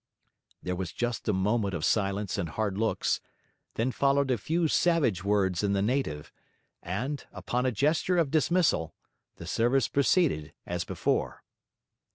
There was just a moment of silence and hard looks; then followed a few savage words in the native; and, upon a gesture of dismissal, the service proceeded as before.